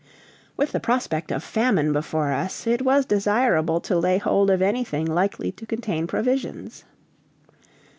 With the prospect of famine before us, it was desirable to lay hold of anything likely to contain provisions.